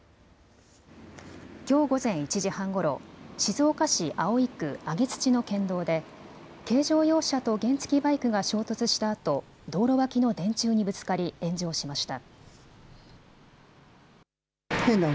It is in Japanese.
きょう午前１時半ごろ、静岡市葵区上土の県道で軽乗用車と原付きバイクが衝突したあと道路脇の電柱にぶつかり、炎上しました。